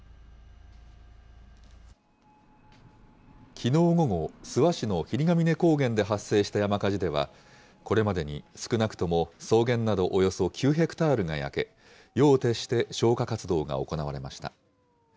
きのう午後、諏訪市の霧ヶ峰高原で発生した山火事では、これまでに少なくとも草原などおよそ９ヘクタールが焼け、夜を徹して消火活動が行われました。